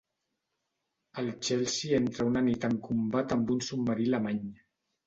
El Chelsea entra una nit en combat amb un submarí alemany.